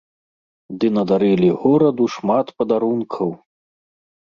Ды надарылі гораду шмат падарункаў!